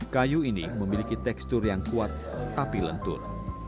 kayu ini memiliki tekstur yang kuat tapi lentur